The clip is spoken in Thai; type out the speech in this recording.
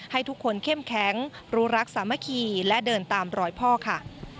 ให้ทุกคนเข้มแข็งรู้รักสามัคคีและเดินตามรอยพ่อค่ะ